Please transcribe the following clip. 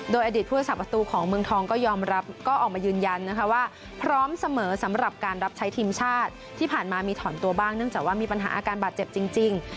โดยอดีตผู้สาประตูของเมืองทองก็ยอมรับก็ออกมายืนยันนะคะว่าพร้อมเสมอสำหรับการรับใช้ทีมชาติที่ผ่านมามีถอนตัวบ้างเนื่องจากว่ามีปัญหาอาการบาดเจ็บจริง